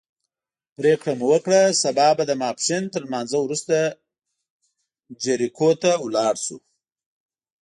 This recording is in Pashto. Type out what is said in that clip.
پرېکړه مو وکړه سبا به د ماسپښین تر لمانځه وروسته جریکو ته ولاړ شو.